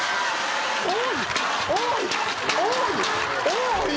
多い！